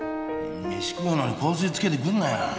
メシ食うのに香水つけてくんなよ！